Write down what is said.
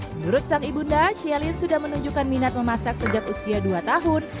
menurut sang ibunda shelin sudah menunjukkan minat memasak sejak usia dua tahun